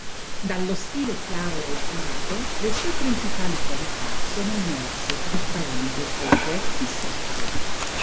Dallo stile chiaro e pulito, le sue principali qualità sono emerse ritraendo soggetti sacri.